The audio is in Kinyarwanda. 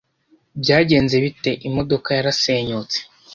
"Byagenze bite?" "Imodoka yarasenyutse."